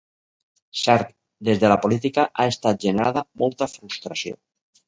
Cert, des de la política ha estat generada molta frustració.